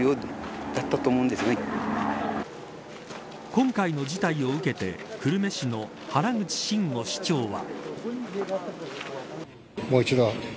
今回の事態を受けて久留米市の原口新五市長は。